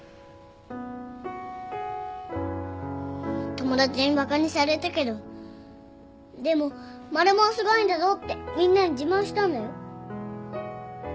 友達にバカにされたけどでも「マルモはすごいんだぞ」ってみんなに自慢したんだよ。